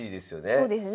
そうですね。